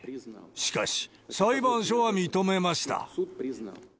しかし、裁判所は認めました。